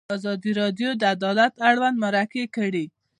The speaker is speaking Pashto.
ازادي راډیو د عدالت اړوند مرکې کړي.